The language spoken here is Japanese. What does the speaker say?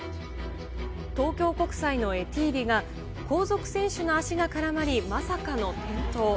東京国際のエティーリが、後続選手の足が絡まり、まさかの転倒。